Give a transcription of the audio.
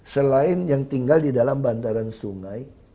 selain yang tinggal di dalam bantaran sungai